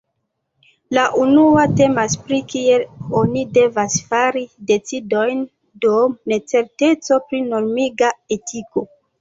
La unua temas pri kiel oni devas fari decidojn dum necerteco pri normiga etiko.